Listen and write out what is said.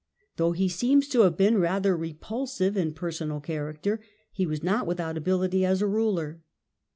Though he seems to have been rather repulsive in personal character, he was not without ability as a ruler.